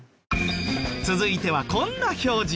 続いてはこんな表示。